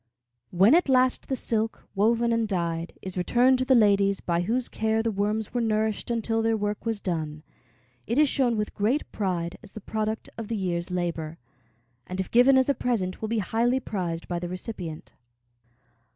When at last the silk, woven and dyed, is returned to the ladies by whose care the worms were nourished until their work was done, it is shown with great pride as the product of the year's labor, and if given as a present will be highly prized by the recipient.